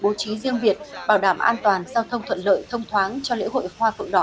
bố trí riêng biệt bảo đảm an toàn giao thông thuận lợi thông thoáng cho lễ hội hoa phượng đỏ